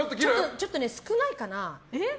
ちょっと少ないかな。